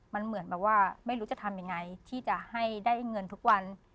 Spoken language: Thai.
มันเหมือนแบบว่าไม่รู้จะทำยังไงที่จะให้ได้เงินทุกวัน